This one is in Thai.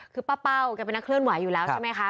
คือป้าเป้าแกเป็นนักเคลื่อนไหวอยู่แล้วใช่ไหมคะ